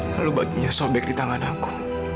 lalu bajunya sobek di tangan aku